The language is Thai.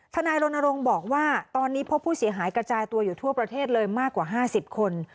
นายรณรงค์บอกว่าตอนนี้พบผู้เสียหายกระจายตัวอยู่ทั่วประเทศเลยมากกว่า๕๐คน